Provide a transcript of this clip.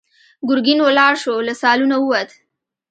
ګرګين ولاړ شو، له سالونه ووت.